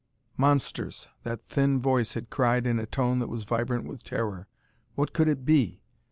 "Monsters!" that thin voice had cried in a tone that was vibrant with terror. What could it be?